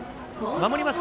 守ります